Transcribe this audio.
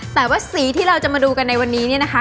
แต่ว่าสีที่เราจะมาดูกันในวันนี้เนี่ยนะคะ